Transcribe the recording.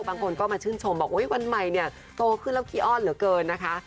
บางคนก็มาชื่นชมบอกวันใหม่เนี่ยโตขึ้นแล้วขี้อ้อนเหลือเกินนะคะ